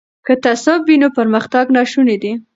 که تعصب وي نو پرمختګ ناشونی دی.